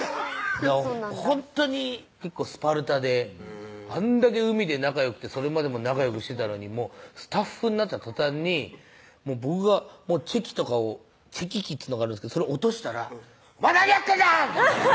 ほんとに結構スパルタであんだけ海で仲よくてそれまでも仲よくしてたのにスタッフになったとたんに僕が「チェキ」とかをチェキ機っつうのがあるんですがそれを落としたら「お前何やってんだ！」